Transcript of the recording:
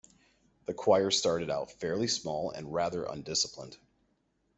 The choir started out fairly small and rather undisciplined.